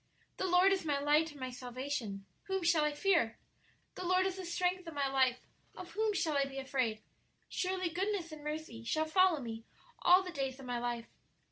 'The Lord is my light and my salvation; whom shall I fear? the Lord is the strength of my life; of whom shall I be afraid?' 'Surely, goodness and mercy shall follow me all the days of my life.'